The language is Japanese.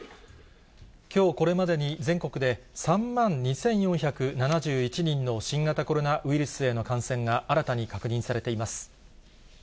きょうこれまでに、全国で３万２４７１人の新型コロナウイルスへの感染が新たに確認されています。